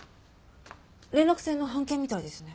連絡船の半券みたいですね。